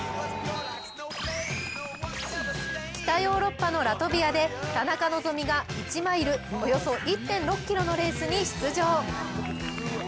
北ヨーロッパのラトビアで田中希実が１マイルおよそ１．６ｋｍのレースに出場。